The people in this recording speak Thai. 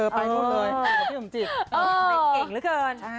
กับพี่สุ่มจิตเป็นเก่งละกัน